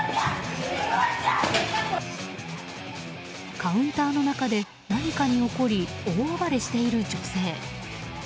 カウンターの中で何かに怒り大暴れしている女性。